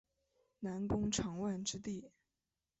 南宫长万之弟。